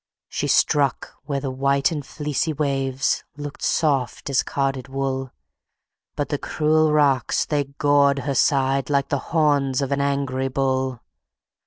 She struck where the white and fleecy waves Looked soft as carded wool, But the cruel rocks, they gored her side Like the horns of an angry bull.